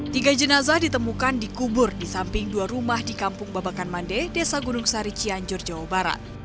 tiga jenazah ditemukan di kubur di samping dua rumah di kampung babakan mande desa gunung sarician jawa barat